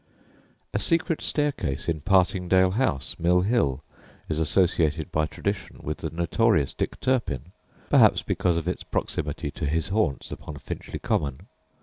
A "secret staircase" in Partingdale House, Mill Hill, is associated (by tradition) with the notorious Dick Turpin, perhaps because of its proximity to his haunts upon Finchley Common.